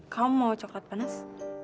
kamu mau coklat panas